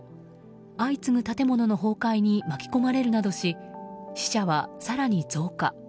相次ぐ建物の崩壊に巻き込まれるなどし死者は更に増加。